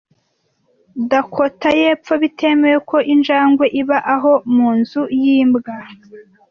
Dakota yepfo bitemewe ko injangwe iba aho Mu nzu yimbwa